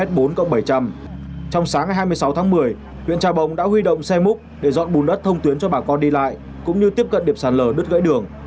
trong sáng ngày hai mươi sáu tháng một mươi huyện trà bồng đã huy động xe múc để dọn bùn đất thông tuyến cho bà con đi lại cũng như tiếp cận điểm sạt lở đứt gãy đường